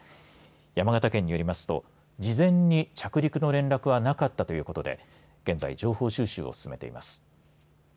山形県によりますと事前に着陸の連絡はなかったということで現在、情報収集を進めています。